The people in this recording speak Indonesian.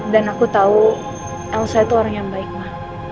dan aku tahu elsa itu orang yang baik ma